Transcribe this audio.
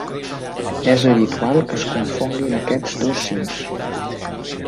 És habitual que es confonguin aquests dos cims.